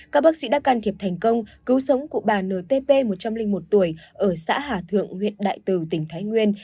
các bác sĩ đã can thiệp thành công cứu sống cụ bà ntp một trăm linh một tuổi ở xã hà thượng huyện đại từ tỉnh thái nguyên